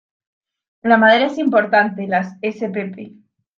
La madera es importante; las spp.